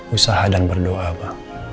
usaha dan berdoa apa